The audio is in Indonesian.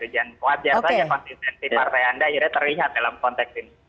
jangan kuat jasanya konsistensi partai anda akhirnya terlihat dalam konteks ini